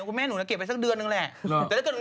ขุนแม่มันน่ากลัวจริง